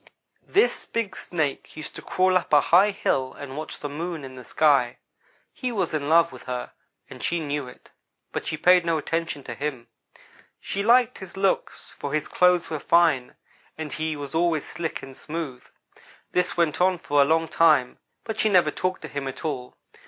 "This big Snake used to crawl up a high hill and watch the Moon in the sky. He was in love with her, and she knew it; but she paid no attention to him. She liked his looks, for his clothes were fine, and he was always slick and smooth. This went on for a long time, but she never talked to him at all.